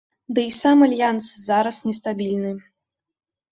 Дый і сам альянс зараз не стабільны.